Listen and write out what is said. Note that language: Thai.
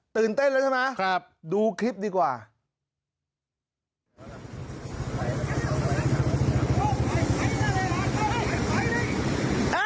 ตื่นเต้นแล้วใช่ไหมดูคลิปดีกว่า